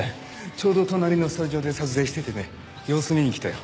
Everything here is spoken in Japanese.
ちょうど隣のスタジオで撮影しててね様子見に来たよ。